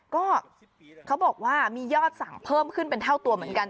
ก็เขาบอกว่ามียอดสั่งเพิ่มขึ้นเป็นเท่าตัวเหมือนกัน